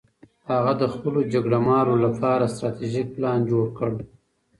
هغه د خپلو جګړه مارو لپاره ستراتیژیک پلان جوړ کړ.